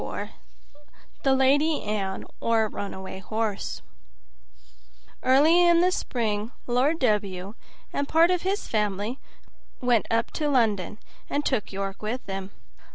24 The Lady Anne, or a Runaway Horse Early in the spring, Lord W and part of his family went up to London, and took York with them.